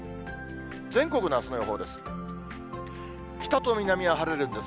全国のあすの予報です。